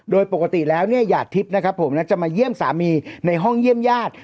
โดยปกติแล้วเนี่ยหยาดทิพย์นะครับผมจะมาเยี่ยมสามีในห้องเยี่ยมญาติ